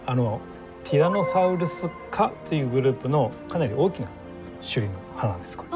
ティラノサウルス科というグループのかなり大きな種類の歯なんですこれは。